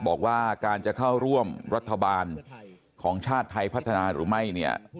บอกว่าการจะเข้าร่วมรัฐบาลของชาติไทยพัฒนาหรือไม่เนี่ย